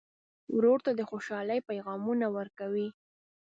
ورور ته د خوشحالۍ پیغامونه ورکوې.